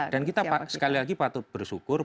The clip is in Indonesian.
kita sekali lagi patut bersyukur